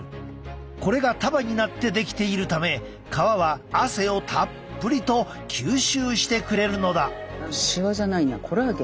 これが束になって出来ているため革は汗をたっぷりと吸収してくれるのだ。